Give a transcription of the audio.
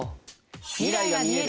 未来が見える